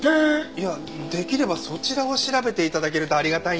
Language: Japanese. いやできればそちらを調べて頂けるとありがたいんですが。